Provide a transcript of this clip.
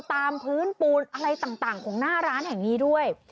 ตามพื้นปูนอะไรต่างของหน้าร้านแห่งนี้ด้วย